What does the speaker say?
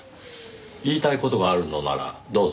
言いたい事があるのならどうぞ。